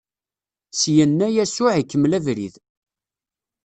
Syenna Yasuɛ ikemmel abrid.